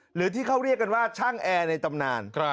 หรือที่เขาเรียกกันว่าช่างแอร์ในตำนาน